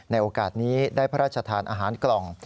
โอกาสนี้ได้พระราชทานอาหารกล่อง